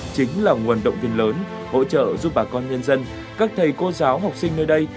chính là nguồn động viên lớn hỗ trợ giúp bà con nhân dân các thầy cô giáo học sinh nơi đây